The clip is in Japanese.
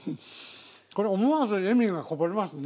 これ思わず笑みがこぼれますね。